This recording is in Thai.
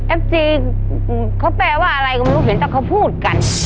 จีเขาแปลว่าอะไรก็ไม่รู้เห็นแต่เขาพูดกัน